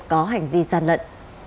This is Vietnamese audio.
có hành vi gian lận